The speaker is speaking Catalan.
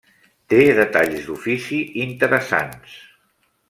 Té detalls d'ofici interessants.